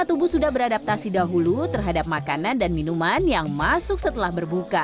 tubuh sudah beradaptasi dahulu terhadap makanan dan minuman yang masuk setelah berbuka